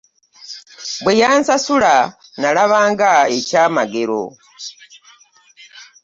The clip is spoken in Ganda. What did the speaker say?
Bwe yansasula nalabanga ekyamagero.